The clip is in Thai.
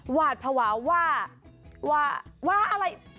หวาดภาวะว่าว่าอะไร